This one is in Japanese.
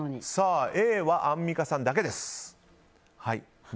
Ａはアンミカさんだけです。